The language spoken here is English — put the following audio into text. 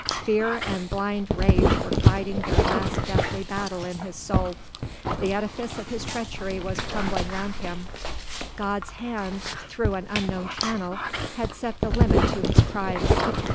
Fear and blind rage were fighting their last deathly battle in his soul. The edifice of his treachery was crumbling around him; God's hand through an unknown channel had set the limit to his crimes.